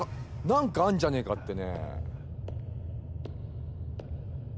何かあんじゃねえかって。